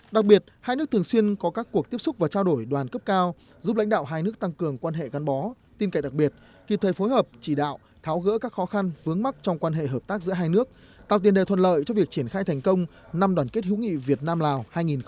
đặc biệt hai nước thường xuyên có các cuộc tiếp xúc và trao đổi đoàn cấp cao giúp lãnh đạo hai nước tăng cường quan hệ gắn bó tin cậy đặc biệt kịp thời phối hợp chỉ đạo tháo gỡ các khó khăn vướng mắt trong quan hệ hợp tác giữa hai nước tạo tiền đề thuận lợi cho việc triển khai thành công năm đoàn kết hữu nghị việt nam lào hai nghìn một mươi tám